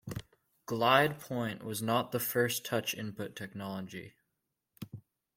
GlidePoint was not the first touch input technology.